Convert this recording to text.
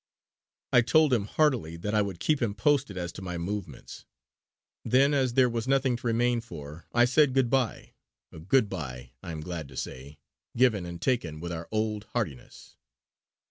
I told him heartily that I would keep him posted as to my movements. Then, as there was nothing to remain for, I said good bye a good bye, I am glad to say, given and taken with our old heartiness.